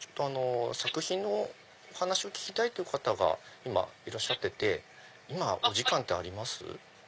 作品の話を聞きたいって方が今いらっしゃっててお時間ってあります？